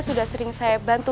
sudah sering saya bantu